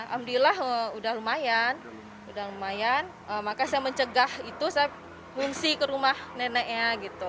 alhamdulillah udah lumayan makanya saya mencegah itu saya fungsi ke rumah neneknya gitu